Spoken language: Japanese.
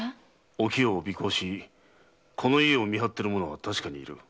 お清を尾行しこの家を見張っている者は確かにいる。